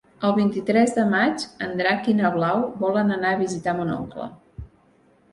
El vint-i-tres de maig en Drac i na Blau volen anar a visitar mon oncle.